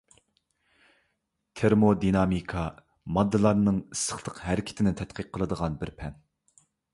تېرمودىنامىكا — ماددىلارنىڭ ئىسسىقلىق ھەرىكىتىنى تەتقىق قىلىدىغان بىر پەن.